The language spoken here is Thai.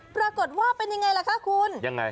ปรากฏว่าเป็นยังไงล่ะคะคุณยังไง